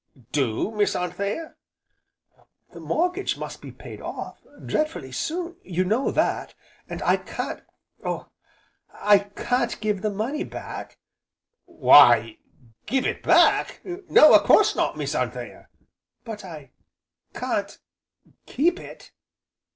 "Do, Miss Anthea?" "The mortgage must be paid off dreadfully soon you know that, and I can't Oh, I can't give the money back " "Why give it back! No, a course not, Miss Anthea!" "But I can't keep it!"